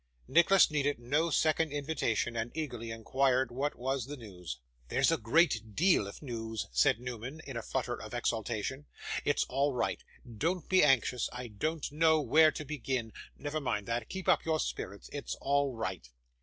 Nicholas needed no second invitation, and eagerly inquired what was the news. 'There's a great deal of news,' said Newman, in a flutter of exultation. 'It's all right. Don't be anxious. I don't know where to begin. Never mind that. Keep up your spirits. It's all right.